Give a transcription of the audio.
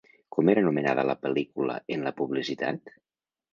Com era nomenada la pel·lícula en la publicitat?